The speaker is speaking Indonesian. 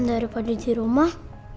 daripada di rumah